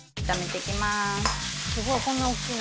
「すごい。こんな大きな」